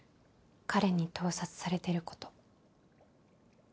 彼に盗撮されてること。